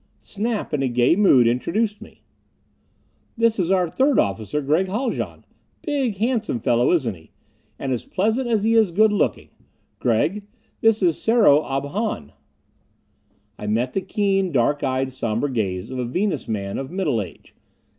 Snap, in a gay mood, introduced me. "This is our third officer, Gregg Haljan. Big, handsome fellow, isn't he? And as pleasant as he is good looking. Gregg, this is Sero Ob Hahn." I met the keen, dark eyed somber gaze of a Venus man of middle age.